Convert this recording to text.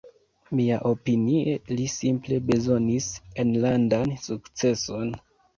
Miaopinie li simple bezonis enlandan sukceson.